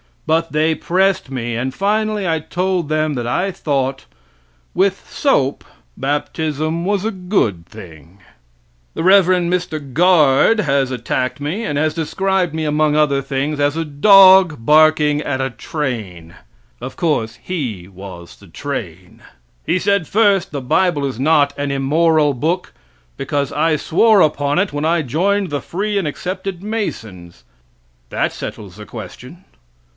But they pressed me and finally I told them that I thought, with soap baptism was a good thing. The Rev. Mr. Guard has attacked me, and has described me, among other things, as a dog barking at a train. Of course he was the train. He said, first, the bible is not an immoral book, because I swore upon it when I joined the Free and Accepted Masons. That settles the question.